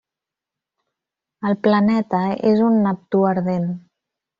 El planeta és un Neptú ardent.